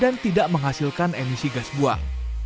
dan tidak menghasilkan emisi gas buah